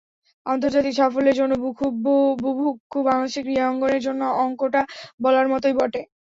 আন্তর্জাতিক সাফল্যের জন্য বুভুক্ষু বাংলাদেশের ক্রীড়াঙ্গনের জন্য অঙ্কটা বলার মতোই বটে।